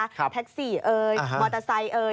แท็กซี่เอ่ยมอเตอร์ไซค์เอ่ย